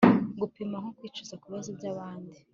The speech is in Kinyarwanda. Gupima nko kwicuza kubibazo byabandi